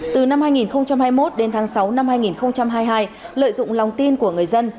từ năm hai nghìn hai mươi một đến tháng sáu năm hai nghìn hai mươi hai lợi dụng lòng tin của người dân